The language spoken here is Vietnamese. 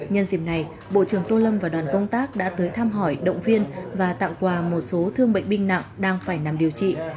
nhân dịp này bộ trưởng tô lâm và đoàn công tác đã tới thăm hỏi động viên và tặng quà một số thương bệnh binh nặng đang phải nằm điều trị